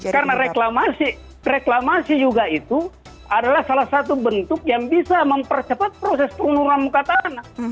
karena reklamasi reklamasi juga itu adalah salah satu bentuk yang bisa mempercepat proses perurunan muka tanah